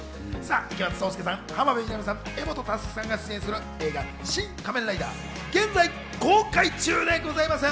池松壮亮さん、浜辺美波さん、柄本佑さんが出演する映画『シン・仮面ライダー』は現在公開中でございます。